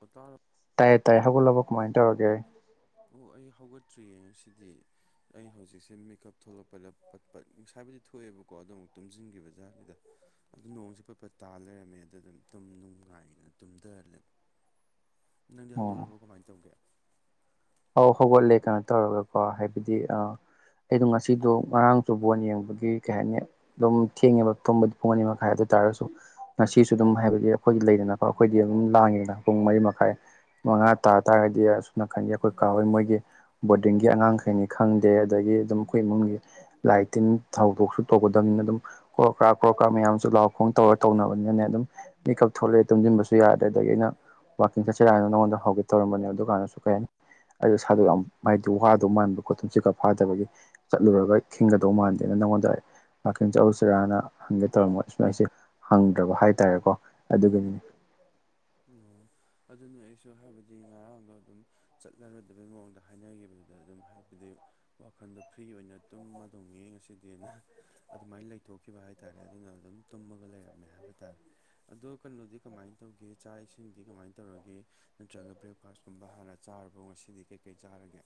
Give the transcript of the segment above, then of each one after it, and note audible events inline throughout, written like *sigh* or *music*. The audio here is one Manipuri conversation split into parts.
ꯃꯇꯥꯔꯝ ꯇꯥꯏꯌꯦ ꯇꯥꯏ ꯍꯧꯒꯠꯂꯕꯣ ꯀꯃꯥꯏ ꯇꯧꯔꯒꯦ ꯑꯣ ꯑꯩ ꯍꯧꯒꯠꯇ꯭ꯔꯤꯌꯦ ꯉꯁꯤꯗꯤ ꯑ ꯍꯧꯖꯤꯛꯁꯦ ꯃꯤꯀꯞ ꯊꯣꯛꯂꯛꯄꯗ ꯄꯠ ꯄꯠ ꯉꯁꯥꯏꯕꯨꯗꯤ ꯊꯣꯛꯑꯦꯕꯀꯣ ꯑꯗꯣ ꯑꯃꯨꯛ ꯇꯨꯝꯖꯤꯟꯒꯤꯕ ꯖꯥꯠꯅꯤꯗ ꯑꯗꯨ ꯅꯣꯡꯖꯦ ꯄꯠ ꯄꯠ ꯇꯥ ꯂꯩꯔꯝꯃꯦ ꯑꯗꯨ ꯑꯗꯨꯝ ꯇꯨꯝ ꯅꯨꯡꯉꯥꯏꯒꯤꯗꯅ ꯇꯨꯝꯗ ꯂꯦꯝ ꯅꯪꯗꯤ ꯑꯣ ꯍꯧꯒꯠꯂꯔꯕꯣ ꯀꯃꯥꯏ ꯇꯧꯒꯦ ꯑꯧ ꯍꯧꯒꯠꯂꯦ ꯀꯩꯅꯣ ꯇꯧꯔꯒꯀꯣ ꯍꯥꯏꯕꯗꯤ ꯑ ꯑꯩꯗꯣ ꯉꯁꯤꯗꯣ ꯉꯔꯥꯡꯁꯨ ꯕꯣꯟ ꯌꯦꯡꯕꯒꯤ ꯀꯩ ꯍꯥꯏꯅꯤ ꯑꯗꯨꯝ ꯊꯦꯡꯉꯦꯕ ꯇꯨꯝꯕꯗꯤ ꯄꯨꯡ ꯑꯅꯤ ꯃꯈꯥꯏ ꯑꯗꯨ ꯇꯥꯔꯁꯨ ꯉꯁꯤꯁꯨ ꯑꯗꯨꯝ ꯍꯥꯏꯕꯗꯤ ꯑꯩꯈꯣꯏꯒꯤ ꯂꯩꯗꯅꯀꯣ ꯑꯩꯈꯣꯏꯗꯤ ꯑꯗꯨꯝ ꯂꯥꯡꯉꯤꯗꯅ ꯄꯨꯡ ꯃꯔꯤ ꯃꯈꯥꯏ ꯃꯉꯥ ꯇꯥꯇꯥꯥꯔꯗꯤ ꯑꯁꯨꯝ ꯅꯀꯟꯒꯤ ꯑꯩꯈꯣꯏ ꯀꯥ ꯍꯣꯏ ꯃꯣꯏꯒꯤ ꯕꯣꯔꯗꯤꯡꯒꯤ ꯑꯉꯥꯡꯈꯩꯅꯤ ꯈꯪꯗꯦ ꯑꯗꯒꯤ ꯑꯗꯨꯝ ꯑꯩꯈꯣꯏ ꯏꯃꯨꯡꯒꯤ ꯂꯥꯏ ꯇꯤꯟ ꯊꯧꯗꯣꯛꯁꯨ ꯇꯧꯒꯗꯕꯅꯤꯅ ꯑꯗꯨꯝ ꯀ꯭ꯔꯣꯛꯀ꯭ꯔꯥꯛ ꯀ꯭ꯔꯣꯛꯀ꯭ꯔꯥꯛ ꯃꯌꯥꯝꯁꯨ ꯂꯥꯎ ꯈꯣꯡ ꯇꯧꯔ ꯇꯧꯅꯕꯅꯤꯅꯅꯦ ꯑꯗꯨꯝ ꯃꯤꯀꯞ ꯊꯣꯛꯂꯛꯑꯦ ꯇꯨꯝꯖꯤꯟꯕꯁꯨ ꯌꯥꯗ꯭ꯔꯦ ꯑꯗꯒꯤ ꯑꯩꯅ ꯋꯥꯀꯤꯡ ꯆꯠꯁꯤꯔ ꯍꯥꯏꯅ ꯅꯉꯣꯟꯗ ꯍꯧꯒꯦ ꯇꯧꯔꯝꯕꯅꯦ ꯑꯗꯨ ꯀꯥꯟꯗꯁꯨ ꯀꯩ ꯍꯥꯏꯅꯤ ꯑꯩꯗꯣ ꯏꯁꯥꯗꯣ ꯌꯥꯝ ꯍꯥꯏꯗꯤ ꯋꯥꯗꯧ ꯃꯥꯟꯕꯀꯣ ꯇꯨꯝꯁꯤꯠꯀ ꯐꯥꯗꯕꯒꯤ ꯆꯠꯂꯨꯔꯒ ꯊꯤꯡꯒꯗꯧ ꯃꯥꯟꯗꯦꯅ ꯅꯪꯉꯣꯟꯗ ꯋꯥꯀꯤꯡ ꯆꯠꯂꯨꯁꯤꯔꯥꯅ ꯍꯪꯒꯦ ꯇꯧꯔꯝꯕ ꯁꯨꯃꯥꯏ ꯁꯤ ꯍꯪꯗ꯭ꯔꯕ ꯍꯥꯏꯇꯥꯔꯦꯀꯣ ꯑꯗꯨꯒꯤꯅꯤ ꯎꯝꯑꯣ ꯑꯗꯨꯅꯦ ꯑꯩꯁꯨ ꯍꯥꯏꯕꯗꯤ ꯉꯔꯥꯡꯗꯣ ꯑꯗꯨꯝ ꯆꯠꯂꯔꯣꯏꯗꯕꯩ ꯃꯑꯣꯡꯗ ꯍꯥꯏꯅꯒꯤꯕꯗꯨꯗ ꯑꯗꯨꯝ ꯍꯥꯏꯕꯗꯤ ꯋꯥꯈꯟꯗꯣ ꯐ꯭ꯔꯤ ꯑꯣꯏꯅ ꯇꯨꯝꯃꯗꯧꯅꯦ ꯉꯁꯤꯗꯤꯅ ꯑꯗꯨꯃꯥꯏ ꯂꯩꯊꯣꯛꯈꯤꯕ ꯍꯥꯏ ꯇꯥꯔꯦ ꯑꯗꯨꯅ ꯑꯗꯨꯝ ꯇꯨꯝꯃꯒ ꯂꯩꯔꯝꯃꯦ ꯍꯥꯏꯕ ꯇꯥꯔꯦ ꯑꯗꯣ ꯀꯩꯅꯣꯗꯤ ꯀꯃꯥꯏ ꯇꯧꯒꯦ ꯆꯥꯛ ꯏꯁꯤꯡꯗꯤ ꯀꯃꯥꯏ ꯇꯧꯔꯒꯦ ꯅꯠꯇ꯭ꯔꯒ ꯕ꯭ꯔꯦꯛꯐꯥꯁꯀꯨꯝꯕ ꯍꯥꯟꯅ ꯆꯥꯔꯕꯣ ꯉꯁꯤꯗꯤ ꯀꯩꯀꯩ ꯆꯥꯔꯒꯦ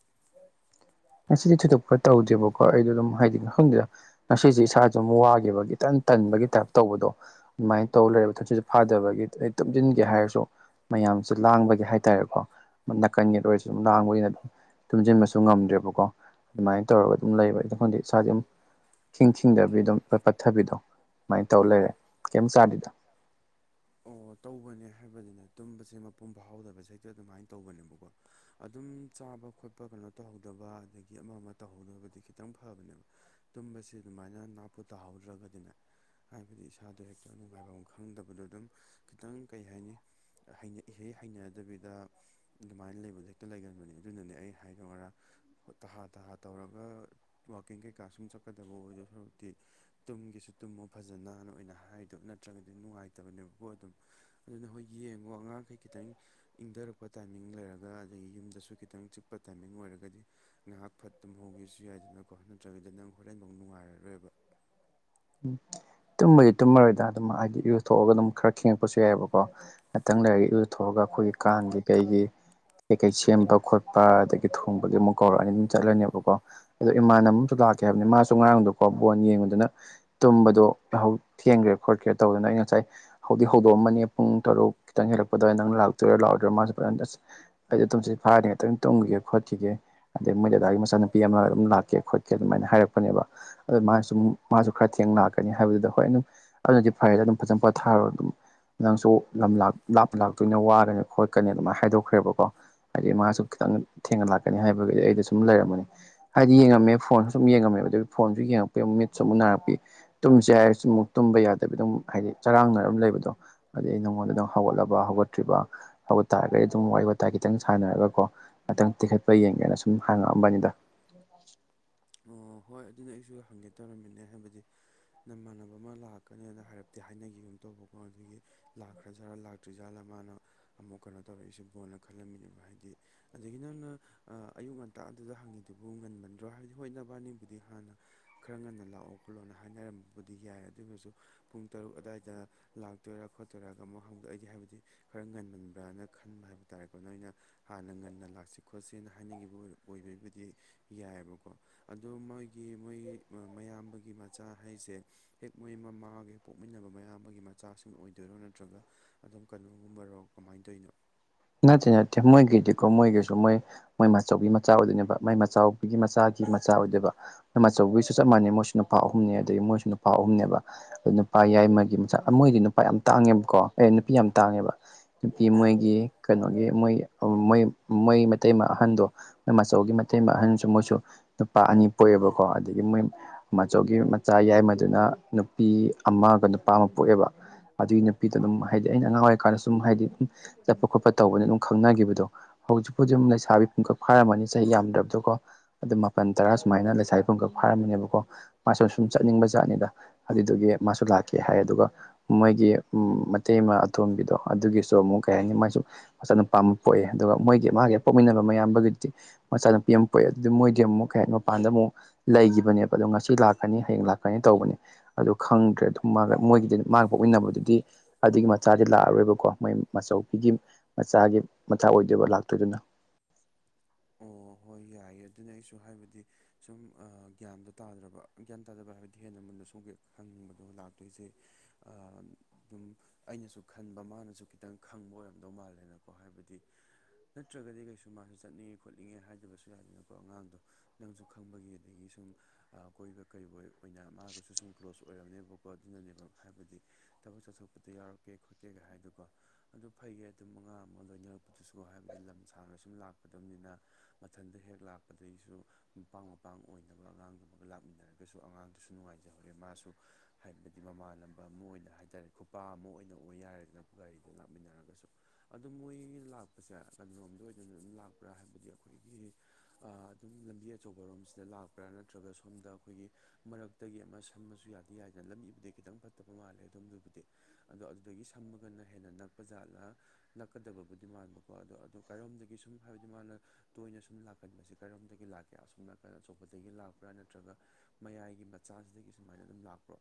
ꯉꯁꯤꯗꯤ ꯊꯣꯏꯗꯣꯛꯄ ꯇꯧꯗꯦꯕꯀꯣ ꯑꯩꯗꯣ ꯑꯗꯨꯝ ꯍꯥꯏꯗꯤ ꯈꯪꯗꯦꯗ ꯉꯁꯤꯖꯦ ꯏꯁꯥꯥꯖꯦ ꯑꯃꯨꯛ ꯋꯥꯒꯤꯕ ꯏꯇꯟ ꯇꯟꯕꯒꯤ ꯇꯥꯏꯞ ꯇꯧꯕꯗꯣ ꯑꯗꯨꯃꯥꯏ ꯇꯧ ꯂꯩꯔꯕ ꯊꯆꯤꯠꯁꯨ ꯐꯥꯗꯕꯒꯤ ꯑꯩ ꯇꯨꯝꯖꯤꯟꯒꯦ ꯍꯥꯏꯔꯁꯨ ꯃꯌꯥꯝꯁꯦ ꯂꯥꯡꯕꯒꯤ ꯍꯥꯏꯇꯥꯔꯦꯀꯣ ꯅꯥꯀꯟꯒꯤ ꯑꯣꯏꯔꯁꯨ ꯑꯗꯨꯝ ꯂꯥꯡꯕꯒꯤꯅꯅꯦ ꯇꯨꯝꯖꯤꯟꯕꯁꯨ ꯉꯝꯗ꯭ꯔꯦꯕꯀꯣ ꯑꯗꯨꯃꯥꯏ ꯇꯧꯔꯒ ꯑꯗꯨꯝ ꯂꯩꯕ ꯑꯩꯗꯣ ꯈꯪꯗꯦ ꯏꯁꯥꯖꯦ ꯎꯝ ꯏꯊꯤꯡ ꯊꯤꯡꯗꯕꯤ ꯑꯗꯨꯝ ꯄꯠꯄꯠꯊꯕꯤꯗꯣ ꯑꯗꯨꯃꯥꯏ ꯇꯧꯔ ꯂꯩꯔꯦ ꯀꯩꯝ ꯆꯥꯗꯤꯗꯥ ꯑꯣ ꯇꯧꯕꯅꯦ ꯍꯥꯏꯕꯗꯤꯅꯦ ꯇꯨꯝꯕꯁꯦ ꯃꯄꯨꯝ ꯐꯥꯎꯍꯧꯗꯕꯁꯦ ꯍꯦꯛꯇ ꯑꯗꯨꯃꯥꯏ ꯇꯧꯕꯅꯦꯕꯀꯣ ꯑꯗꯨꯝ ꯆꯥꯕ ꯈꯣꯠꯄ ꯀꯩꯅꯣ ꯇꯧꯍꯧꯗꯕ ꯑꯗꯒꯤ ꯑꯃ ꯑꯃ ꯇꯧꯍꯧꯗꯕꯗꯤ ꯈꯤꯇꯪ ꯐꯕꯅꯦꯕ ꯇꯨꯝꯕꯁꯤ ꯑꯗꯨꯃꯥꯏꯅ ꯅꯥꯄꯨ ꯇꯥꯍꯧꯗ꯭ꯔꯒꯗꯤꯅꯦ ꯍꯥꯏꯕꯗꯤ ꯏꯁꯥꯗꯣ ꯍꯦꯛꯇ ꯅꯨꯡꯉꯥꯏꯕꯝ ꯈꯪꯗꯕꯗꯣ ꯑꯗꯨꯝ ꯈꯤꯇꯪ ꯀꯩ ꯍꯥꯏꯅꯤ ꯍꯩꯅ ꯏꯍꯩ ꯍꯩꯅꯗꯕꯤꯗ ꯑꯗꯨꯃꯥꯏꯅ ꯂꯩꯕꯗ ꯍꯦꯛꯇ ꯂꯩꯒꯟꯕꯅꯦ ꯑꯗꯨꯅꯅꯦ ꯑꯩ ꯍꯥꯏꯗꯣ ꯉꯔꯥꯡ ꯍꯣꯏ ꯇꯍꯥ ꯇꯍꯥ ꯇꯧꯔꯒ ꯋꯀꯤꯡ ꯀꯩꯀꯥ ꯁꯨꯝ ꯆꯠꯀꯗꯕ ꯑꯣꯏꯗꯣꯏ ꯁꯔꯛꯇꯤ ꯇꯨꯝꯒꯁꯨ ꯇꯨꯝꯃꯣ ꯐꯖꯅꯅ ꯑꯣꯏꯅ ꯍꯥꯏꯗꯣ ꯅꯠꯇ꯭ꯔꯒꯗꯤ ꯅꯨꯡꯉꯥꯏꯇꯕꯅꯦꯕꯀꯣ ꯑꯗꯨꯝ ꯑꯗꯨꯅ ꯍꯣꯏ ꯌꯦꯡꯉꯣ ꯑꯉꯥꯡꯈꯩ ꯈꯤꯇꯪ ꯏꯪꯊꯔꯛꯄ ꯇꯥꯏꯃꯤꯡ ꯂꯩꯔꯒ ꯑꯗꯒꯤ ꯌꯨꯝꯗꯁꯨ ꯈꯤꯇꯪ ꯆꯤꯛꯄ ꯇꯥꯏꯃꯤꯡ ꯑꯣꯏꯔꯒꯗꯤ ꯉꯥꯏꯍꯥꯛ ꯐꯠ ꯇꯨꯝꯍꯧꯒꯦꯁꯨ ꯌꯥꯏꯗꯅꯀꯣ ꯅꯠꯇ꯭ꯔꯒꯗꯤ ꯅꯪ ꯍꯣꯔꯦꯟꯐꯧ ꯅꯨꯡꯉꯥꯏꯔꯔꯣꯏꯕ ꯎꯝ ꯇꯨꯝꯃꯗꯤ ꯇꯨꯝꯃꯔꯣꯏꯗ ꯑꯗꯨꯝ ꯍꯥꯏꯗꯤ ꯏꯔꯨ ꯊꯣꯛꯑꯒ ꯑꯗꯨꯝ ꯈꯔ ꯦꯡꯉꯛꯄꯁꯨ ꯌꯥꯏꯑꯕꯀꯣ ꯉꯥꯛꯇꯪ ꯂꯩꯔꯒ ꯏꯔꯨ ꯊꯣꯛꯑꯒ ꯑꯩꯈꯣꯏꯒꯤ ꯀꯥꯡꯒꯤ ꯀꯩꯒꯤ ꯀꯩ ꯀꯩ ꯁꯦꯝꯕ ꯈꯣꯠꯄ ꯑꯗꯒꯤ ꯊꯣꯡꯕꯒꯤ ꯃꯨ ꯀꯧꯔꯛꯑꯅꯤ ꯑꯗꯨꯝ ꯆꯠꯂꯅꯦꯕꯀꯣ ꯑꯗꯣ ꯏꯃꯥꯟꯅ ꯑꯃꯨꯁꯨ ꯂꯥꯛꯀꯦ ꯍꯥꯏꯕꯅꯦ ꯃꯥꯁꯨ ꯉꯔꯥꯡꯗꯣ ꯀꯣ ꯕꯣꯟ ꯌꯦꯡꯕꯗꯨꯅ ꯇꯨꯝꯕꯗꯣ ꯊꯦꯡꯈ꯭ꯔꯦ ꯈꯣꯠꯈ꯭ꯔꯦ ꯇꯧꯗꯅ ꯑꯩ ꯉꯁꯥꯏ ꯍꯧꯗꯤ ꯍꯧꯗꯣꯛꯑꯝꯕꯅꯦ ꯄꯨꯡ ꯇꯔꯨꯛ ꯈꯤꯇꯪ ꯍꯦꯜꯂꯛꯄꯗ ꯅꯪ ꯂꯥꯛꯇꯣꯏꯔꯥ ꯂꯥꯛꯑꯣꯏꯔꯥ ꯃꯥꯁꯨ ꯐꯖꯅ ꯑꯁ꯫ ꯑꯩꯗꯤ ꯇꯨꯝꯁꯤꯠ ꯐꯥꯗꯦ ꯉꯥꯛꯇꯪ ꯇꯨꯝꯈꯤꯒꯦ ꯈꯣꯠꯈꯤꯒꯦ꯫ ꯑꯗꯩ ꯃꯣꯏ ꯗꯗꯥꯒꯤ ꯃꯆꯥꯅꯨꯄꯤ ꯑꯃ ꯑꯗꯨꯝ ꯂꯥꯛꯀꯦ ꯈꯣꯠꯀꯦ ꯑꯗꯨꯃꯥꯏꯅ ꯍꯥꯏꯔꯛꯄꯅꯦꯕ ꯑꯗꯨ ꯃꯥꯁꯨꯃꯨꯛ ꯃꯥꯁꯨ ꯈꯔ ꯊꯦꯡꯅ ꯂꯥꯛꯀꯅꯤ ꯍꯥꯏꯕꯗꯨꯗ ꯍꯣꯏ ꯑꯗꯨꯝ ꯑꯗꯨꯅꯗꯤ ꯐꯔꯦꯗ ꯑꯗꯨꯝ ꯐꯖꯅ ꯄꯣꯊꯥꯔꯣ ꯑꯗꯨꯝ ꯅꯪꯁꯨ ꯂꯝ ꯂꯥꯞ ꯂꯥꯞꯇ ꯂꯥꯛꯇꯣꯏꯅꯦꯅ ꯋꯥꯔꯅꯤ ꯈꯣꯠꯀꯅꯤ ꯑꯗꯨꯃꯥꯏꯅ ꯍꯥꯏꯗꯣꯛꯈ꯭ꯔꯦꯕꯀꯣ ꯍꯥꯏꯗꯤ ꯃꯥꯁꯨ ꯈꯤꯇꯪ ꯊꯦꯡꯅ ꯂꯥꯛꯀꯅꯤ ꯍꯥꯏꯕꯒꯤ ꯑꯩꯗꯣ ꯁꯨꯝ ꯂꯩꯔꯝꯕꯅꯦ ꯍꯥꯏꯗꯤ ꯌꯦꯡꯉꯝꯃꯦ ꯐꯣꯟ ꯁꯨꯝ ꯌꯦꯡꯉꯝꯃꯦꯕ ꯑꯗꯨ ꯐꯣꯟꯁꯨ ꯌꯦꯡꯉꯛꯄꯩ ꯑꯃꯨꯛ ꯃꯤꯠꯁꯨ ꯑꯃꯨꯛ ꯅꯥꯔꯛꯄꯤ ꯇꯨꯝꯁꯦ ꯍꯥꯏꯔꯁꯨ ꯑꯃꯨꯛ ꯇꯨꯝꯕ ꯌꯥꯗꯕꯤ ꯑꯗꯨꯝ ꯍꯥꯏꯗꯤ ꯆꯔꯥꯡꯅꯔ ꯑꯗꯨꯝ ꯂꯩꯕꯗꯣ꯫ ꯑꯗꯩ ꯑꯩ ꯅꯉꯣꯟꯗ ꯑꯗꯨꯝ ꯍꯧꯒꯠꯂꯕ ꯍꯧꯒꯠꯇ꯭ꯔꯤꯕ꯫ ꯍꯧꯒꯠꯇꯥꯔꯗꯤ ꯑꯗꯨꯝ ꯋꯥꯔꯤ ꯋꯥꯇꯥꯏ ꯈꯤꯇꯪ ꯁꯥꯟꯅꯔꯒꯀꯣ ꯉꯥꯛꯇꯪ ꯇꯤꯈꯠꯄ ꯌꯦꯡꯒꯦꯅ ꯁꯨꯝ ꯍꯥꯡꯉꯛꯑꯝꯕꯅꯤꯗ꯫ *unintelligible* ꯑꯣ ꯍꯣꯏ ꯑꯗꯨꯅꯦ ꯑꯩꯁꯨ ꯍꯪꯒꯦ ꯇꯧꯔꯝꯃꯤꯅꯦ ꯍꯥꯏꯕꯗꯤ꯫ ꯅꯃꯥꯟꯅꯕ ꯑꯃ ꯂꯥꯛꯀꯅꯤꯅ ꯍꯥꯏꯔꯛꯇꯤ ꯍꯥꯏꯅꯈꯤꯒꯨꯝ ꯇꯧꯕꯀꯣ ꯑꯗꯨꯒꯤ꯫ ꯂꯥꯛꯈ꯭ꯔꯖꯥꯠꯂ ꯂꯥꯛꯇ꯭ꯔꯤꯖꯥꯠꯂꯥ ꯃꯥꯅ ꯑꯃꯨꯛ ꯀꯩꯅꯣ ꯇꯧꯔꯛꯏꯁꯤꯕꯣꯅ ꯈꯜꯂꯝꯃꯤꯅꯦꯕ ꯍꯥꯏꯗꯤ꯫ ꯑꯗꯒꯤ ꯅꯪꯅ ꯑꯌꯨꯛ ꯉꯟꯇꯥ ꯑꯗꯨꯗ ꯍꯪꯉꯤꯗꯨꯕꯨ ꯉꯟꯃꯟꯗ꯭ꯔꯣ ꯍꯥꯏ ꯍꯣꯏ ꯅꯕꯥꯅꯤꯕꯨꯗꯤ ꯍꯥꯟꯅ ꯈꯔ ꯉꯟꯅ ꯂꯥꯛꯑꯣ ꯈꯣꯠꯂꯣꯅ ꯍꯥꯏꯅꯔꯝꯕꯗꯤ ꯌꯥꯏ ꯑꯗꯨꯕꯨꯁꯨ ꯄꯨꯡ ꯇꯔꯨꯛ ꯑꯗꯥꯏꯗ ꯂꯥꯛꯇꯣꯏꯔꯥ ꯈꯣꯠꯇꯣꯏꯔꯥꯗꯣ ꯑꯃꯨꯛ ꯍꯥꯡꯗꯣꯛꯏꯗꯤ ꯍꯥꯏꯕꯗꯤ ꯈꯔ ꯉꯟꯃꯟꯕ꯭ꯔꯥꯅ ꯈꯟꯕ ꯍꯥꯏꯕ ꯇꯥꯔꯦꯀꯣ ꯅꯣꯏꯅ ꯍꯥꯟꯅ ꯉꯟꯅ ꯂꯥꯛꯁꯤ ꯈꯣꯠꯁꯤꯅ ꯍꯥꯏꯅꯈꯤꯕ ꯑꯣꯏꯔ ꯑꯣꯏꯕꯩꯕꯨꯗꯤ ꯌꯥꯏꯑꯦꯕꯀꯣ ꯑꯗꯣ ꯃꯣꯏꯒꯤ ꯃꯣꯏ ꯃꯌꯥꯝꯕꯒꯤ ꯃꯆꯥ ꯍꯥꯏꯁꯦ ꯍꯦꯛ ꯃꯣꯏ ꯃꯃꯥꯒꯤ ꯄꯣꯛꯃꯤꯟꯅꯕ ꯃꯌꯥꯝꯕꯒꯤ ꯃꯆꯥꯁꯤꯡ ꯑꯣꯏꯗꯣꯏꯔꯣ ꯅꯠꯇ꯭ꯔꯒ ꯑꯗꯨꯝ ꯀꯩꯅꯣꯒꯨꯝꯕꯔꯣ ꯀꯃꯥꯏꯅ ꯇꯧꯔꯤꯅꯣ ꯅꯠꯇꯦ ꯅꯠꯇꯦ ꯃꯣꯏꯒꯤꯗꯤꯀꯣ ꯃꯣꯏꯒꯤꯁꯨ ꯃꯣꯏ ꯃꯣꯏ ꯃꯆꯧꯕꯤ ꯃꯆꯥ ꯑꯣꯏꯗꯣꯏꯅꯦꯕ ꯃꯥꯏ ꯃꯥꯆꯧꯕꯤꯒꯤ ꯃꯆꯥꯒꯤ ꯃꯆꯥ ꯑꯣꯏꯗꯣꯏꯕ ꯃꯆꯧꯕꯤꯒꯤꯁꯨ ꯆꯞ ꯃꯥꯟꯅꯩ ꯃꯣꯏꯁꯨ ꯅꯨꯄꯥ ꯑꯍꯨꯝꯅꯤ ꯑꯗꯒꯤ ꯃꯣꯏꯁꯨ ꯅꯨꯄꯥ ꯑꯍꯨꯝꯅꯦꯕ ꯅꯨꯄꯥ ꯌꯥꯏꯃꯒꯤ ꯃꯆꯥ ꯃꯣꯏꯗꯤ ꯅꯨꯄꯥ ꯌꯥꯝ ꯇꯥꯡꯉꯦꯕꯀꯣ ꯑꯦ ꯅꯨꯄꯤ ꯌꯥꯝ ꯇꯥꯡꯉꯦꯕ ꯅꯨꯄꯤ ꯃꯣꯏꯒꯤ ꯀꯩꯅꯣꯒꯤ ꯃꯣꯏ ꯃꯣꯏ ꯃꯣꯏ ꯃꯇꯩꯃ ꯑꯍꯟꯗꯣ ꯃꯥꯆꯧꯒꯤ ꯃꯇꯩꯃ ꯑꯍꯟꯁꯨ ꯃꯣꯏꯁꯨ ꯅꯨꯄꯥ ꯑꯅꯤ ꯄꯣꯛꯑꯦꯕꯀꯣ ꯑꯗꯒꯤ ꯃꯣꯏ ꯃꯆꯧꯒꯤ ꯃꯆꯥ ꯌꯥꯏꯃꯗꯨꯅ ꯅꯨꯄꯤ ꯑꯃꯒ ꯅꯨꯄꯥ ꯑꯃ ꯄꯣꯛꯑꯦꯕ ꯑꯗꯨꯒꯤ ꯅꯨꯄꯤꯗꯣ ꯑꯗꯨꯝ ꯍꯥꯏꯗꯤ ꯑꯩꯅ ꯑꯉꯥꯡ ꯑꯣꯏꯔꯤꯀꯥꯟꯗ ꯁꯨꯝ ꯍꯥꯏꯗꯤ ꯆꯠꯄ ꯈꯣꯠꯄ ꯇꯧꯕꯅ ꯑꯗꯨꯝ ꯈꯪꯅꯈꯤꯕꯗꯣ ꯍꯧꯖꯤꯛꯄꯨ ꯑꯗꯨꯝ ꯂꯩꯁꯥꯕꯤ ꯄꯨꯡꯀꯞ ꯐꯥꯔꯝꯃꯅꯤ ꯆꯍꯤ ꯌꯥꯝꯗ꯭ꯔꯕꯗꯣ ꯀꯣ ꯑꯗꯨ ꯃꯥꯄꯜ ꯇꯔꯥ ꯁꯨꯃꯥꯏꯅ ꯂꯩꯁꯥꯏ ꯄꯨꯡꯈꯛ ꯐꯥꯔꯝꯃꯤꯅꯦꯕꯀꯣ ꯃꯥꯁꯨ ꯁꯨꯝ ꯆꯠꯅꯤꯡꯕ ꯖꯥꯠꯅꯤꯗ ꯑꯗꯨꯗꯨꯒꯤ ꯃꯥꯁꯨ ꯂꯥꯛꯀ ꯍꯥꯏ ꯑꯗꯨꯒ ꯃꯣꯏꯒꯤ ꯃꯩꯇꯩ ꯑꯃ ꯑꯇꯣꯝꯒꯤꯗꯣ ꯑꯗꯨꯒꯤꯁꯨ ꯑꯃꯨꯛ ꯀꯩ ꯍꯥꯏꯅꯤ ꯃꯁꯨ ꯃꯆꯠ ꯅꯨꯄꯥ ꯑꯃ ꯄꯣꯛꯑꯦ ꯑꯗꯨꯒ ꯃꯣꯏꯒꯤ ꯃꯥꯒꯤ ꯄꯣꯛꯃꯤꯟꯅꯕ ꯃꯌꯥꯝꯕꯒꯤꯗꯤ ꯃꯆꯥ ꯅꯨꯄꯤ ꯑꯃ ꯄꯣꯛꯑꯦ ꯑꯗꯨꯗꯤ ꯃꯣꯏꯗꯤ ꯑꯃꯨꯛ ꯀꯩ ꯍꯥꯏ ꯃꯄꯥꯟꯗ ꯑꯃꯨꯛ ꯂꯩꯈꯤꯕꯅꯦꯕ ꯑꯗꯣ ꯉꯁꯤ ꯂꯥꯛꯀꯅꯤ ꯍꯌꯦꯡ ꯂꯥꯛꯀꯅꯤ ꯇꯧꯕꯅꯤ ꯑꯗꯨ ꯈꯪꯗ꯭ꯔꯦ ꯑꯗꯨꯝ ꯃꯣꯏꯒꯤꯗꯤ ꯃꯥꯒ ꯄꯣꯛꯃꯤꯟꯅꯕꯗꯨꯗꯤ ꯑꯗꯨꯒꯤ ꯃꯆꯥꯗꯤ ꯂꯥꯛꯑꯔꯣꯏꯕꯀꯣ ꯃꯣꯏ ꯃꯥꯆꯧꯕꯤꯒꯤ ꯃꯆꯥꯒꯤ ꯃꯆꯥ ꯑꯣꯏꯗꯣꯏꯕ ꯂꯥꯛꯇꯣꯏꯗꯨꯅ ꯑꯣ ꯍꯣꯏ ꯌꯥꯏꯑꯦ ꯑꯗꯨꯅꯦ ꯑꯩꯁꯨ ꯍꯥꯏꯕꯗꯤ ꯁꯨꯝ ꯑ ꯒ꯭ꯌꯥꯟꯗꯣ ꯇꯥꯗ꯭ꯔꯕ ꯒ꯭ꯌꯥꯟ ꯇꯥꯗꯕ ꯍꯥꯏꯕꯗꯤ ꯍꯦꯟꯅ ꯃꯨꯟꯅ ꯁꯨꯝꯒꯦ ꯍꯪꯕꯗꯣ ꯂꯥꯛꯇꯣꯏꯁꯦ ꯑ ꯗꯨꯝ ꯑꯩꯅꯁꯨ ꯈꯟꯕ ꯃꯥꯅꯁꯨ ꯈꯤꯇꯪ ꯈꯪꯕ ꯑꯣꯏꯔꯝꯗꯧ ꯃꯥꯜꯂꯦꯅꯀꯣ ꯍꯥꯏꯕꯗꯤ ꯅꯠꯇ꯭ꯔꯒꯗꯤ ꯀꯩꯁꯨ ꯃꯥꯁꯨ ꯆꯠꯅꯤꯡꯉꯦ ꯈꯣꯠꯅꯤꯡꯉꯦ ꯍꯥꯏꯗꯕꯁꯨ ꯌꯥꯏꯗꯅꯀꯣ ꯑꯉꯥꯡꯗꯣ ꯅꯪꯁꯨ ꯈꯪꯕꯒꯤ ꯑꯗꯒꯤ ꯁꯨꯝ ꯑ ꯀꯣꯏꯕ ꯀꯔꯤꯕꯨ ꯑꯣꯏꯅ ꯃꯥꯒꯁꯨ ꯁꯨꯝ ꯀ꯭ꯂꯣꯁ ꯑꯣꯏꯔꯝꯅꯦꯕꯀꯣ ꯑꯗꯨꯅꯅꯦꯕ ꯍꯥꯏꯕꯗꯤ ꯊꯕꯛ ꯆꯠꯊꯣꯛꯄꯗ ꯌꯥꯎꯔꯛꯀꯦ ꯈꯣꯠꯀꯦ ꯀ ꯍꯥꯏꯗꯨꯒꯣ ꯑꯗꯨ ꯐꯩꯌꯦ ꯑꯗꯨꯝ ꯑꯉꯥꯡ ꯑꯃ ꯂꯣꯏꯅꯔꯛꯄꯗꯨꯁꯨ ꯍꯥꯏꯕꯗꯤ ꯂꯝ ꯁꯥꯡꯅ ꯁꯨꯝ ꯂꯥꯛꯀꯗꯕꯅꯤꯅ ꯃꯊꯟꯇ ꯍꯦꯛ ꯂꯥꯛꯄꯗꯒꯤꯁꯨ ꯃꯄꯥꯡ ꯃꯄꯥꯡ ꯑꯣꯏꯅꯕ ꯑꯉꯥꯡꯗꯨꯃꯒ ꯂꯥꯛꯃꯤꯟꯅꯔꯒꯁꯨ ꯑꯉꯥꯡꯗꯨꯁꯨ ꯅꯨꯡꯉꯥꯏꯖꯍꯧꯔꯦ ꯃꯥꯁꯨ ꯍꯥꯏꯕꯗꯤ ꯃꯃꯥꯟꯅꯕ ꯑꯃ ꯑꯣꯏꯅ ꯍꯥꯏꯇꯥꯔꯦ ꯈꯨꯄꯥ ꯑꯃ ꯑꯣꯏꯅ ꯑꯣꯏ ꯌꯥꯔꯦꯗꯅ ꯒꯥꯔꯤꯗ ꯂꯥꯛꯃꯤꯟꯅꯔꯒꯁꯨ ꯑꯗꯨ ꯃꯣꯏ ꯂꯥꯛꯄꯁꯦ ꯀꯩꯅꯣꯝꯗ ꯑꯣꯏꯗꯅ ꯑꯗꯨꯝ ꯂꯥꯛꯄ꯭ꯔꯥ ꯍꯥꯏꯕꯗꯤ ꯑꯩꯈꯣꯏ ꯑꯩꯈꯣꯏꯒꯤ ꯑꯗꯨꯝ ꯂꯝꯕꯤ ꯑꯆꯧꯕꯔꯣꯝꯁꯤꯗ ꯂꯥꯛꯄ꯭ꯔꯥ ꯅꯠꯇ꯭ꯔꯒ ꯁꯣꯝꯗ ꯑꯩꯈꯣꯏꯒꯤ ꯃꯔꯛꯇꯒꯤ ꯑꯃ ꯁꯝꯃꯁꯨ ꯌꯥꯗꯤ ꯌꯥꯏꯗꯅ ꯂꯝꯃꯤꯕꯨꯗꯤ ꯈꯤꯇꯪ ꯐꯠꯇꯕ ꯃꯥꯜꯂꯦ ꯑꯗꯨꯝꯗꯨꯕꯨꯗꯤ ꯑꯗꯣ ꯑꯗꯨꯗꯒꯤ ꯁꯝꯃꯒꯅ ꯍꯦꯟꯅ ꯅꯛꯄ ꯖꯥꯠꯂ ꯅꯛꯀꯗꯕꯕꯨꯗꯤ ꯃꯥꯟꯕꯀꯣ ꯑꯗꯣ ꯑꯗꯨ ꯀꯔꯣꯝꯗꯒꯤ ꯁꯨꯝ ꯍꯥꯏꯕꯗꯤ ꯃꯥꯅ ꯇꯣꯏꯅ ꯁꯨꯝ ꯂꯥꯛꯀꯟꯕꯁꯦ ꯀꯔꯣꯝꯗꯒꯤ ꯂꯥꯛꯀꯦ ꯑꯁꯣ ꯅꯥꯀꯟꯗ ꯑꯆꯧꯕꯗꯒꯤ ꯂꯥꯛꯄ꯭ꯔꯥ ꯅꯠꯇ꯭ꯔꯒ ꯃꯌꯥꯏꯒꯤ ꯃꯆꯥꯁꯤꯗꯒꯤ ꯁꯨꯃꯥꯏꯅ ꯑꯗꯨꯝ ꯂꯥꯛꯄ꯭ꯔꯣ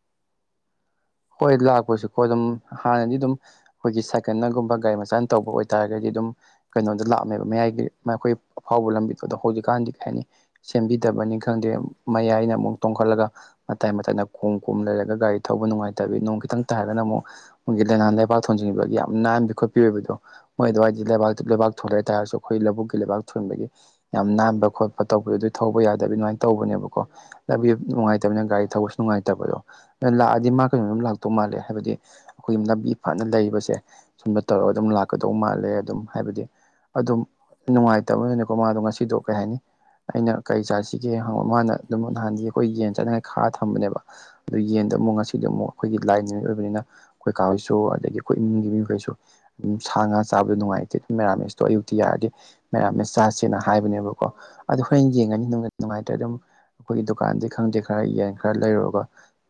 ꯍꯣꯏ ꯂꯥꯛꯄꯁꯨꯀꯣ ꯑꯗꯨꯝ ꯍꯥꯟꯅꯗꯤ ꯑꯗꯨꯝ ꯑꯩꯈꯣꯏꯒꯤ ꯁꯥꯏꯀꯜꯅꯒꯨꯝꯕ ꯒꯥꯔꯤ ꯃꯆꯥꯅ ꯇꯧꯕ ꯑꯣꯏꯇꯥꯔꯒꯗꯤ ꯑꯗꯨꯝ ꯀꯩꯅꯣꯗ ꯂꯥꯛꯑꯃꯦꯕ ꯃꯌꯥꯏꯒꯤ ꯃꯈꯣꯏ ꯑꯐꯥꯎꯕ ꯂꯝꯕꯤꯗꯗꯣ ꯍꯧꯖꯤꯛꯀꯥꯟꯗꯤ ꯀꯩ ꯍꯥꯏꯅꯤ ꯁꯦꯝꯕꯤꯗꯕꯅꯤ ꯈꯪꯗꯦ ꯃꯌꯥꯏꯅ ꯑꯃꯨꯛ ꯇꯣꯡꯈꯠꯂꯒ ꯃꯇꯥꯏ ꯃꯇꯥꯏ ꯀꯣꯝ ꯀꯣꯡ ꯂꯩꯔꯒ ꯒꯥꯔꯤ ꯊꯧꯕ ꯅꯨꯡꯉꯥꯏꯇꯕꯤ ꯅꯣꯡ ꯈꯤꯇꯪ ꯇꯥꯏꯔꯒꯅ ꯑꯃꯨꯛ ꯑꯩꯈꯣꯏꯒꯤ ꯂꯥꯏꯅꯥꯟ ꯂꯩ ꯂꯩꯄꯥꯛꯥꯛ ꯊꯣꯟꯖꯤꯟꯈꯤꯕꯕꯒꯤ ꯌꯥꯝ ꯅꯥꯟꯕ ꯈꯣꯠꯄꯤ ꯑꯣꯏꯕꯗꯣ ꯃꯣꯏ ꯑꯗꯨꯋꯥꯏꯗꯤ ꯂꯩꯕꯥꯛ ꯂꯩꯕꯥꯛ ꯊꯣꯟꯂꯦ ꯍꯥꯏꯇꯥꯥꯔꯁꯨ ꯑꯩꯈꯣꯏ ꯂꯧꯕꯨꯛꯀꯤ ꯂꯩꯕꯥꯛ ꯊꯣꯟꯕꯒꯤ ꯌꯥꯝ ꯅꯥꯟꯕ ꯈꯣꯠꯄ ꯇꯧꯕꯗꯣ ꯑꯗꯨꯏ ꯊꯧꯕ ꯌꯥꯗꯕꯤ ꯑꯗꯨꯃꯥꯏꯅ ꯇꯧꯕꯅꯦꯕꯀꯣ ꯂꯝꯕꯤ ꯅꯨꯡꯉꯥꯏꯇꯕꯅꯤꯅ ꯒꯥꯔꯤ ꯊꯧꯕꯁꯨ ꯅꯨꯡꯉꯥꯏꯇꯕꯗꯣ ꯑꯗꯨ ꯂꯥꯛꯑꯗꯤ ꯃꯥ ꯀꯩꯅꯣ ꯑꯗꯨꯝ ꯂꯥꯛꯇꯧ ꯃꯥꯜꯂꯦ ꯍꯥꯏꯕꯗꯤ ꯑꯩꯈꯣꯏꯒꯤ ꯂꯝꯕꯤ ꯐꯅ ꯂꯩꯕꯁꯦ ꯁꯨꯝꯗ ꯇꯧꯔꯒ ꯑꯗꯨꯝ ꯂꯥꯛꯀꯗꯧ ꯃꯥꯜꯂꯦ ꯑꯗꯨꯝ ꯍꯥꯏꯕꯗꯤ ꯑꯗꯨꯝ ꯅꯨꯡꯉꯥꯏꯇꯕꯅꯤꯅꯤꯀꯣ ꯃꯥꯗꯣ ꯉꯁꯤꯗꯣ ꯀꯩ ꯍꯥꯏꯅꯤ ꯑꯩꯅ ꯀꯔꯤ ꯆꯥꯁꯤꯒꯦ ꯍꯪꯕ ꯃꯥꯅ ꯑꯗꯨꯝ ꯅꯍꯥꯟꯗꯤ ꯑꯩꯈꯣꯏ ꯌꯦꯟ ꯆꯥꯅꯤꯉꯥꯏ ꯈꯥꯛꯑ ꯊꯝꯕꯅꯦꯕ ꯑꯗꯨ ꯌꯦꯟꯗ ꯑꯃꯨꯛ ꯉꯁꯤ ꯁꯤꯗ ꯑꯃꯨꯛ ꯑꯩꯈꯣꯏꯒꯤ ꯂꯥꯏ ꯅꯨꯃꯤꯠ ꯑꯣꯏꯕꯅꯤꯅ ꯑꯩꯈꯣꯏ ꯀꯥ ꯍꯣꯏꯁꯨ ꯑꯗꯒꯤ ꯑꯩꯈꯣꯏ ꯏꯃꯨꯡꯒꯤ ꯃꯤꯈꯩꯁꯨ ꯎꯝ ꯁꯥ ꯉꯥ ꯆꯥꯕꯗꯣ ꯅꯨꯡꯉꯥꯏꯇꯦ ꯑꯗꯨꯝ ꯃꯦꯔꯥꯃꯦꯁꯇꯣ ꯑꯌꯨꯛꯇꯤ ꯌꯥꯔꯗꯤ ꯃꯦꯔꯥꯝꯦꯁ ꯆꯥꯁꯦꯅ ꯍꯥꯏꯕꯅꯦꯕꯀꯣ ꯑꯗꯨ ꯍꯣꯔꯦꯟ ꯌꯦꯡꯉꯅꯤ ꯅꯨꯡꯉꯥꯏꯇ꯭ꯔꯗꯤ ꯑꯗꯨꯝ ꯑꯩꯈꯣꯏꯒꯤ ꯗꯨꯀꯥꯟꯗꯩ ꯈꯪꯗꯦ ꯈꯔ ꯌꯦꯟ ꯈꯔ ꯂꯩꯔꯨꯔꯒ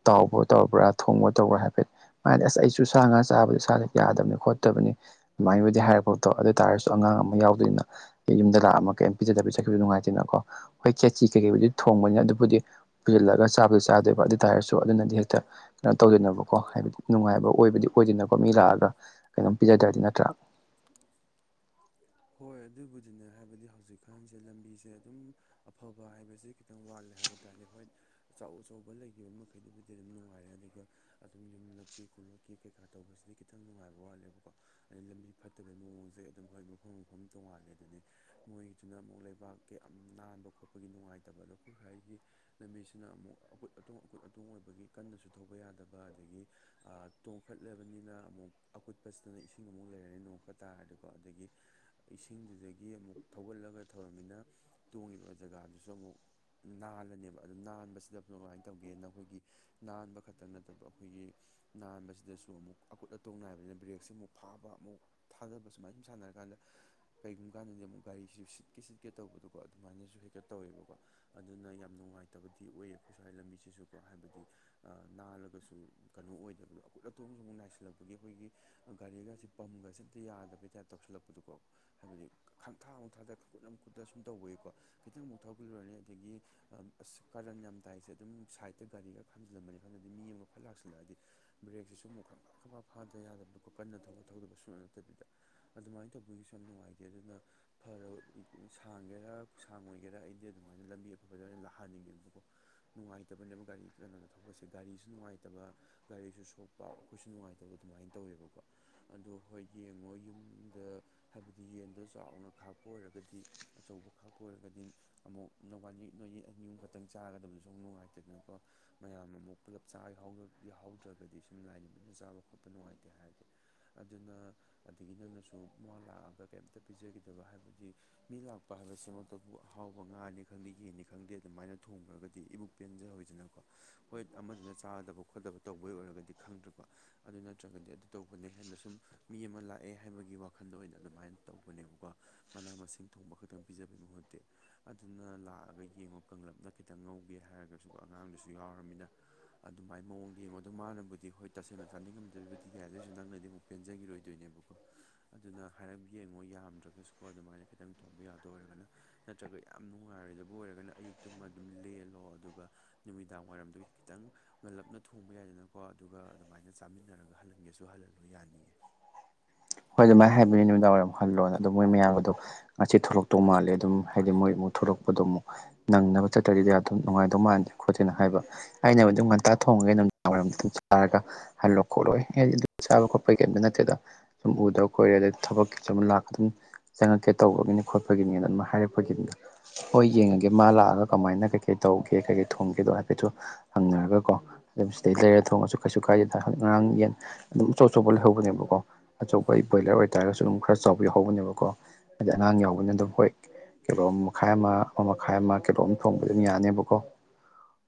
ꯇꯥꯎꯕ ꯇꯧꯕ꯭ꯔꯥ ꯊꯣꯡꯕ ꯇꯧꯕ꯭ꯔꯥ ꯍꯥꯏꯐꯦꯠ ꯃꯥꯗꯤ ꯑꯁ ꯑꯩꯁꯨ ꯁꯥ ꯉꯥ ꯆꯥꯕꯗ ꯏꯁꯥꯗ ꯌꯥꯗꯕꯅꯤ ꯈꯣꯠꯇꯕꯅꯤ ꯑꯗꯨꯃꯥꯏꯕꯨꯗꯤ ꯍꯥꯏꯔꯛꯄꯗꯣ ꯑꯗꯨ ꯑꯣꯏꯇꯥꯥꯔꯁꯨ ꯑꯉꯥꯡ ꯑꯃ ꯌꯥꯎꯗꯣꯏꯅꯤꯅ ꯌꯨꯝꯗ ꯂꯥꯛꯑꯃ ꯀꯩꯝ ꯄꯤꯖꯗꯕ ꯆꯠꯈꯤꯕꯁꯨ ꯅꯨꯡꯉꯥꯏꯇꯦꯅꯀꯣ ꯑꯩꯈꯣꯏ ꯈꯦꯆꯤ ꯀꯩꯀꯩꯕꯨꯗꯨꯗꯤ ꯊꯣꯡꯕꯅꯤꯅ ꯑꯗꯨꯕꯨꯗꯤ ꯄꯨꯁꯤꯜꯂꯒ ꯆꯥꯕꯗꯤ ꯆꯥꯗꯣꯏꯕ ꯑꯗꯨ ꯇꯔꯁꯨ ꯑꯗꯨꯅꯗꯤ ꯍꯦꯛꯇ ꯀꯩꯅꯣ ꯇꯧꯗꯦꯅꯕꯀꯣ ꯍꯥꯏꯕꯗꯤ ꯅꯨꯡꯉꯥꯏꯕ ꯑꯣꯏꯕꯗꯤ ꯑꯣꯏꯗꯦꯅꯀꯣ ꯃꯤ ꯂꯥꯛꯑꯒ ꯀꯩꯅꯣꯝ ꯄꯤꯖꯗ꯭ꯔꯗꯤ ꯅꯠꯇ꯭ꯔꯥ ꯍꯣꯏ ꯑꯗꯨꯕꯨꯗꯤꯅꯦ ꯍꯥꯏꯕꯗꯤ ꯍꯧꯖꯤꯛꯀꯥꯟꯁꯦ ꯂꯝꯕꯤꯁꯦ ꯑꯗꯨꯝ ꯑꯐꯕ ꯍꯥꯏꯕꯁꯤ ꯈꯤꯇꯪ ꯋꯥꯠꯂꯦ ꯍꯥꯏꯕ ꯇꯥꯔꯦ ꯍꯣꯏ ꯑꯆꯧ ꯑꯆꯧꯕ ꯂꯩꯈꯤꯕ ꯃꯈꯩꯗꯨꯕꯨꯗꯤ ꯑꯗꯨꯝ ꯅꯨꯡꯉꯥꯏꯔꯦ ꯑꯗꯨꯒ ꯑꯗꯨꯝ ꯌꯨꯝꯂꯛꯀꯤ ꯈꯣꯠꯂꯛꯀꯤ ꯀꯩꯀꯥ ꯇꯧꯕꯁꯤꯗꯤ ꯈꯤꯇꯪ ꯅꯨꯡꯉꯥꯏꯕ ꯋꯥꯠꯂꯦꯕꯀꯣ ꯑꯗꯩ ꯂꯝꯕꯤ ꯐꯠꯇꯕꯩ ꯃꯑꯣꯡꯁꯦ ꯑꯗꯨꯝ ꯍꯣꯏ ꯃꯐꯝ ꯃꯐꯝ ꯇꯣꯉꯥꯜꯂꯦ ꯑꯗꯨꯅꯤ ꯃꯣꯏꯒꯤꯗꯨꯅ ꯑꯃꯨꯛ ꯂꯩꯕꯥꯛꯀꯤ ꯌꯥꯝ ꯅꯥꯟꯕ ꯈꯣꯠꯄꯒꯤ ꯅꯨꯡꯉꯥꯏꯇꯕꯗꯣ ꯑꯩꯈꯣꯏꯈ ꯍꯥꯏꯒꯤ ꯂꯝꯕꯤꯁꯤꯅ ꯑꯃꯨꯛ ꯑꯀꯨꯠ ꯑꯇꯣꯡ ꯑꯀꯨꯠ ꯑꯇꯣꯡ ꯑꯣꯏꯕꯒꯤ ꯀꯟꯅꯁꯨ ꯊꯧꯕ ꯌꯥꯗꯕ ꯑꯗꯒꯤ ꯇꯣꯡꯈꯠꯂꯕꯅꯤꯅ ꯑꯃꯨꯛ ꯑꯀꯨꯠꯄꯁꯤꯗꯅ ꯏꯁꯤꯡ ꯑꯃꯨꯛ ꯂꯩꯔꯅꯤ ꯅꯣꯡꯈꯠ ꯇꯥꯔꯗꯤꯀꯣ ꯑꯗꯒꯤ ꯏꯁꯤꯡꯗꯨꯗꯒꯤ ꯑꯃꯨꯛ ꯊꯧꯒꯠꯂꯒ ꯊꯧꯔꯝꯅꯤꯅ ꯇꯣꯡꯉꯤꯕ ꯖꯒꯥꯗꯨꯁꯨ ꯑꯃꯨꯛ ꯅꯥꯜꯂꯅꯦꯕ ꯑꯗꯨ ꯅꯥꯟꯕꯁꯤꯗ ꯀꯃꯥꯏꯅ ꯇꯧꯒꯦꯅ ꯑꯩꯈꯣꯏꯒꯤ ꯅꯥꯟꯕ ꯈꯛꯇꯪ ꯅꯠꯇꯕ ꯑꯩꯈꯣꯏꯒꯤ ꯅꯥꯟꯕꯁꯤꯗꯁꯨ ꯑꯃꯨꯛ ꯑꯀꯨꯠ ꯑꯇꯣꯡ ꯅꯥꯏꯕꯅꯤꯅ ꯕ꯭ꯔꯦꯛꯁꯦ ꯑꯃꯨꯛ ꯐꯥꯕ ꯑꯃꯨꯛ ꯊꯥꯗꯕ ꯁꯨꯃꯥꯏꯅ ꯁꯨꯝ ꯁꯥꯟꯅꯔꯛ ꯀꯥꯟꯗ ꯀꯩꯒꯨꯝꯕ ꯀꯥꯟꯗꯗꯤ ꯑꯃꯨꯛ ꯒꯥꯔꯤꯁꯤꯁꯨ ꯁꯤꯠꯀꯦ ꯁꯤꯠꯀꯦ ꯇꯧꯕꯗꯨꯀꯣ ꯑꯗꯨꯃꯥꯏꯅꯁꯨ ꯍꯦꯀꯠ ꯇꯧꯋꯦꯕꯀꯣ ꯑꯗꯨꯅ ꯌꯥꯝ ꯅꯨꯡꯉꯥꯏꯇꯕꯗꯤ ꯑꯣꯏꯌꯦ ꯑꯩꯈꯣꯏ ꯁ꯭ꯋꯥꯏ ꯂꯝꯕꯤꯁꯤꯁꯨꯀꯣ ꯍꯥꯏꯕꯗꯤ ꯅꯥꯜꯂꯒꯁꯨ ꯀꯩꯅꯣ ꯑꯣꯏꯗꯕꯗꯣ ꯑꯀꯣꯏꯠ ꯑꯇꯣꯡꯁꯨ ꯑꯃꯨꯛ ꯅꯥꯁꯤꯜꯂꯛꯄꯒꯤ ꯑꯩꯈꯣꯏꯒꯤ ꯒꯥꯔꯤꯒꯁꯤ ꯄꯝꯒꯁꯤꯝꯇ ꯌꯥꯗꯕꯩꯇꯥ ꯇꯧꯁꯤꯜꯂꯛꯄ ꯀꯣ ꯍꯥꯏꯕꯗꯤ ꯈꯪꯊꯥ ꯈꯥꯡꯊꯥꯗ ꯈꯪꯀꯨꯠ ꯂꯝꯀꯨꯠꯇ ꯁꯨꯝ ꯇꯧꯕꯒꯤꯀꯣ ꯈꯤꯇꯪ ꯑꯃꯨꯛ ꯊꯧꯕꯄꯤꯔꯨꯔꯅꯤ ꯑꯗꯒꯤ ꯑꯁ ꯀꯔꯟ ꯌꯥꯝ ꯇꯥꯏꯁꯦ ꯑꯗꯨꯝ ꯁꯥꯏꯗꯠꯇ ꯒꯥꯔꯤꯒ ꯈꯥꯝꯖꯤꯜꯂꯝꯕꯅꯤ ꯈꯅꯗꯤ ꯃꯤ ꯑꯃꯒ ꯈꯠ ꯂꯥꯛꯁꯤꯜꯂꯛꯑꯗꯤ ꯕ꯭ꯔꯦꯛꯁꯤꯁꯨ ꯑꯃꯨꯛ ꯈꯪꯕꯞ ꯈꯪꯕꯞ ꯐꯥꯗꯕ ꯌꯥꯗꯕꯗꯀꯣ ꯀꯟꯅ ꯊꯧꯧꯕ ꯊꯧꯗꯕ ꯁꯨ ꯅꯠꯇꯕꯤꯗ ꯑꯗꯨꯃꯥꯏꯅ ꯇꯧꯕꯒꯤꯁꯨ ꯌꯥꯝ ꯅꯨꯡꯉꯥꯏꯇꯦ ꯑꯗꯨꯅ ꯐ ꯁꯥꯡꯒꯦꯔꯥ ꯈꯨꯁꯥꯡ ꯑꯣꯏꯒꯦꯔꯥ ꯑꯩꯗꯤ ꯑꯗꯨꯃꯥꯏꯅ ꯂꯝꯕꯤ ꯑꯐ ꯐꯖ ꯑꯣꯏꯅ ꯂꯥꯛꯍꯟꯅꯤꯡꯉꯦꯕꯀꯣ ꯅꯨꯡꯉꯥꯏꯇꯕꯅꯦꯕ ꯒꯥꯔꯤ ꯀꯩꯅꯣꯗ ꯊꯧꯕꯁꯦ ꯒꯥꯔꯤꯁꯨ ꯅꯨꯡꯉꯥꯏꯇꯕ ꯒꯥꯔꯤꯁꯨ ꯁꯣꯛꯄ ꯑꯩꯈꯣꯏꯁꯨ ꯅꯨꯡꯉꯥꯏꯇꯕ ꯑꯗꯨꯃꯥꯏꯅ ꯇꯧꯋꯦꯕꯀꯣ ꯑꯗꯣ ꯍꯣꯏ ꯌꯦꯡꯉꯣ ꯌꯨꯝꯗ ꯍꯥꯏꯕꯗꯤ ꯌꯦꯟꯗꯣ ꯆꯥꯎꯅ ꯈꯥꯛꯄ ꯑꯣꯏꯔꯒꯗꯤ ꯑꯆꯧꯕ ꯈꯛꯄ ꯑꯣꯏꯔꯒꯗꯤ ꯑꯃꯨꯛ ꯅꯕꯥ ꯅ ꯑꯅꯤꯌꯨꯝ ꯈꯛꯇꯪ ꯆꯥꯒꯗꯕꯗꯨꯁꯨ ꯅꯨꯡꯉꯥꯏꯇꯗꯅꯀꯣ ꯃꯌꯥꯝ ꯑꯃꯨꯛ ꯄꯨꯂꯞ ꯆꯥꯍꯎꯗ꯭ꯔꯒꯗꯤ ꯁꯨꯝ ꯂꯥꯏꯅꯤꯡ ꯑꯗꯨꯅ ꯆꯥꯕ ꯈꯣꯠꯄ ꯅꯨꯡꯉꯥꯏꯇꯦ ꯍꯥꯏꯔꯗꯤ ꯑꯗꯨꯅ ꯑꯗꯒꯤ ꯅꯪꯅꯁꯨ ꯃ ꯂꯥꯛꯑꯒ ꯀꯩꯝꯇ ꯄꯤꯖꯈꯤꯗꯕ ꯍꯥꯏꯕꯗꯤ ꯃꯤ ꯂꯥꯛꯄ ꯍꯥꯏꯕꯁꯤꯃꯛꯇꯕꯨ ꯑꯍꯥꯎꯕ ꯉꯥꯅꯤ ꯈꯪꯗꯦ ꯌꯦꯟꯅꯤ ꯈꯪꯗꯦ ꯑꯗꯨꯃꯥꯏꯅ ꯊꯣꯡꯈ꯭ꯔꯒꯗꯤ ꯏꯕꯨꯛ ꯄꯦꯟꯖꯍꯧꯁꯤꯅꯀꯣ ꯍꯣꯏ ꯑꯃꯗꯨꯅ ꯆꯥꯗꯕ ꯈꯣꯠꯇꯕ ꯇꯧꯕꯩ ꯑꯣꯏꯔꯒꯗꯤ ꯈꯪꯗ꯭ꯔꯦꯀꯣ ꯑꯗꯨ ꯅꯠꯇ꯭ꯔꯒꯗꯤ ꯑꯗꯨ ꯇꯧꯕꯅꯦ ꯍꯦꯟꯅ ꯁꯨꯝ ꯃꯤ ꯑꯃ ꯂꯥꯛꯑꯦ ꯍꯥꯏꯕꯒꯤ ꯋꯥꯈꯜ ꯋꯥꯈꯟꯗ ꯑꯣꯏꯅ ꯑꯗꯨꯃꯥꯏꯅ ꯇꯧꯕꯅꯦꯕꯀꯣ ꯃꯅꯥ ꯃꯁꯤꯡ ꯊꯣꯡꯕ ꯈꯛꯇꯪ ꯄꯤꯖꯕꯩ ꯃꯍꯨꯠꯇꯤ ꯑꯗꯨꯅ ꯂꯥꯛꯑꯒ ꯌꯦꯡꯉꯣ ꯀꯪꯂꯞꯅ ꯈꯤꯇꯪ ꯉꯧꯒꯦ ꯍꯥꯏꯔꯒꯁꯨ ꯑꯉꯥꯡꯗꯨꯁꯨ ꯌꯥꯎꯔꯃꯤꯅ ꯑꯗꯨꯃꯥꯏꯅ ꯃꯑꯣꯡꯗ ꯌꯦꯡꯉ ꯑꯗꯣ ꯃꯥꯅꯕꯨꯗꯤ ꯑꯩꯈꯣꯏ ꯇꯁꯦꯡꯅ ꯆꯥꯅꯤꯡꯉꯝꯗꯕꯤꯕꯨꯗꯤ ꯌꯥꯏ ꯑꯗꯨꯑꯣꯏꯁꯨ ꯅꯪꯅꯗꯤ ꯑꯃꯨꯛ ꯄꯦꯟꯖꯈꯤꯔꯣꯏꯗꯣꯏꯅꯦꯕꯀꯣ ꯑꯗꯨꯅ ꯍꯥꯏꯔꯞ ꯌꯦꯡꯉꯣ ꯌꯥꯝꯗ꯭ꯔꯒꯁꯨꯀꯣ ꯑꯗꯨꯃꯥꯏꯅ ꯈꯤꯇꯪ ꯊꯣꯡꯕ ꯌꯥꯗ ꯑꯣꯏꯔꯒꯅ ꯅꯠꯇ꯭ꯔꯒ ꯌꯥꯝ ꯅꯨꯡꯉꯥꯏꯔꯣꯏꯗꯕ ꯑꯣꯏꯔꯒꯅ ꯑꯌꯨꯛꯇꯨꯃ ꯑꯗꯨꯝ ꯂꯦꯜꯂꯣ ꯑꯗꯨꯒ ꯅꯨꯃꯤꯗꯥꯡ ꯋꯥꯏꯔꯝꯗꯨꯒꯤ ꯈꯤꯇꯪ ꯉꯜꯂꯞꯅ ꯊꯣꯡꯕ ꯌꯥꯏꯗꯅꯀꯣ ꯑꯗꯨꯒ ꯑꯗꯨꯃꯥꯏꯅ ꯆꯥꯃꯤꯟꯅꯔꯒ ꯍꯜꯍꯟꯒꯦꯁꯨ ꯍꯜꯍꯜꯂꯣ ꯌꯥꯅꯤꯌꯦ ꯍꯣꯏ ꯑꯗꯨꯃꯥꯏꯅ ꯍꯥꯏꯕꯅꯤ ꯅꯨꯃꯤꯗꯥꯡ ꯋꯥꯏꯝ ꯈꯜꯂꯣꯅ ꯑꯗꯨ ꯃꯣꯏ ꯃꯌꯥꯝꯒꯗꯣ ꯑꯁꯤ ꯊꯣꯛꯂꯛꯇꯧ ꯃꯥꯜꯂꯦ ꯑꯗꯨꯝ ꯍꯥꯏꯗꯤ ꯃꯣꯏ ꯑꯃꯨꯛ ꯊꯣꯛꯂꯛꯄꯗꯣ ꯑꯃꯨꯛ ꯅꯪꯅꯕ ꯆꯠꯇꯔꯤꯗꯤ ꯑꯗꯨꯝ ꯅꯨꯡꯉꯥꯏꯗꯧ ꯃꯥꯟꯗꯦ ꯈꯣꯠꯇꯦꯅ ꯍꯥꯏꯕ ꯑꯩꯅꯕꯨ ꯑꯗꯨꯝ ꯉꯟꯇꯥ ꯊꯣꯡꯉꯒꯃꯤꯗꯥꯡ ꯋꯥꯏꯝ ꯆꯥꯔꯒ ꯍꯜꯂꯣ ꯈꯣꯠꯂꯣꯗꯤ ꯑꯗꯨ ꯆꯥꯕ ꯈꯠꯄ ꯀꯩ ꯀꯩꯝꯇ ꯅꯠꯇꯦꯗ ꯁꯨꯝ ꯎꯗꯕ ꯀꯣꯏꯔꯦ ꯑꯗꯩ ꯊꯕꯛꯀꯤ ꯁꯨꯝ ꯂꯥꯛ ꯑꯗꯨꯝ ꯆꯪꯉꯛꯀꯦ ꯇꯧꯕꯒꯤꯅꯤ ꯈꯣꯠꯄꯒꯤꯅꯤꯅ ꯑꯗꯨꯝ ꯍꯥꯏꯔꯛꯄꯒꯤꯅꯤꯗ ꯍꯣꯏ ꯌꯦꯡꯉꯒꯦ ꯃꯥ ꯂꯥꯛꯑꯒ ꯀꯃꯥꯏꯅ ꯀꯩꯀꯩ ꯇꯧꯒꯦ ꯀꯩꯀꯩ ꯊꯨꯝꯒꯦꯗꯣ ꯍꯥꯏꯐꯦꯠꯇ ꯍꯪꯅꯔꯒꯀꯣ ꯑꯗꯨꯝ ꯁꯤꯗꯩ ꯂꯩꯔꯦ ꯊꯣꯡꯉꯁꯨ ꯀꯩꯁꯨ ꯀꯥꯏꯗꯦꯗꯖꯤ ꯉꯔꯥꯡ ꯌꯦꯟ ꯑꯗꯨꯝ ꯑꯆꯧꯕ ꯂꯩꯍꯧꯕꯅꯦꯕꯀꯣ ꯑꯆꯧꯕ ꯑꯩ ꯕꯣꯏꯂꯔ ꯑꯣꯏꯇꯥꯔꯒꯁꯨ ꯑꯗꯨꯝ ꯈꯔ ꯆꯥꯎꯕ ꯌꯥꯎꯍꯧꯕꯅꯦꯕꯀꯣ ꯍꯥꯏꯗꯤ ꯑꯉꯥꯡ ꯌꯥꯎꯕꯅ ꯑꯗꯨꯝ ꯍꯣꯏ ꯀꯤꯂꯣꯝ ꯃꯈꯥꯏ ꯑꯃ ꯑꯃ ꯃꯈꯥꯏ ꯑꯃ ꯀꯤꯂꯣꯝ ꯊꯣꯡꯕ ꯑꯗꯨꯝ ꯌꯥꯅꯦꯕꯀꯣ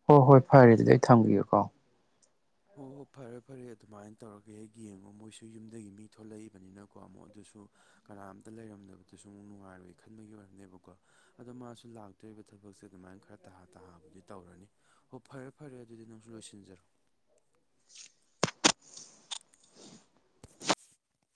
ꯍꯣꯏ ꯍꯣꯏ ꯐꯔꯦ ꯑꯗꯨꯗꯤ ꯑꯩ ꯊꯝꯕꯤꯌꯨꯀꯣ ꯍꯣꯏ ꯍꯣꯏ ꯐꯔꯦ ꯐꯔꯦ ꯑꯗꯨꯃꯥꯏꯅ ꯇꯧꯔꯒ ꯍꯦꯛ ꯌꯦꯡꯉꯣ ꯃꯣꯏꯁꯨ ꯌꯨꯝꯗꯒꯤ ꯃꯤ ꯊꯣꯛꯂꯛꯏꯕꯅꯤꯅꯀꯣ ꯑꯃꯨꯛ ꯑꯗꯨꯁꯨ ꯀꯅꯥꯝꯇ ꯂꯩꯔꯝꯗꯕꯗꯨꯁꯨ ꯑꯃꯨꯛ ꯅꯨꯡꯉꯥꯏꯔꯣꯏ ꯈꯟꯕꯒꯤ ꯑꯣꯏꯔꯝꯅꯦꯕꯀꯣ ꯑꯗꯣ ꯃꯥꯁꯨ ꯂꯥꯛ ꯆꯧꯔꯤꯕ ꯊꯕꯛꯁꯦ ꯑꯗꯨꯃꯥꯏꯅ ꯈꯔ ꯇꯥ ꯇꯥꯍꯥꯕꯨꯗꯤ ꯇꯧꯔꯅꯤ ꯍꯣꯏ ꯐꯔꯦ ꯐꯔꯦ ꯑꯗꯨꯗꯤ ꯅꯪꯁꯨ ꯂꯣꯏꯁꯤꯟꯖꯔꯣ